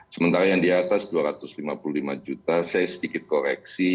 sementara yang di atas dua ratus lima puluh lima juta saya sedikit koreksi